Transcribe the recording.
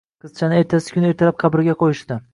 Qizchani ertasi kuni ertalab qabrga qo`yishdi